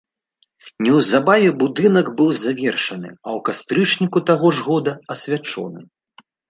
Неўзабаве будынак быў завершаны, а ў кастрычніку таго ж года асвячоны.